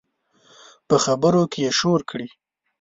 په خبرو کې یې شور کړي